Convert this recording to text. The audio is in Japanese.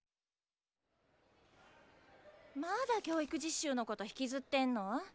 まだ教育実習のこと引きずってんの？